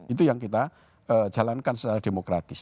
itu yang kita jalankan secara demokratis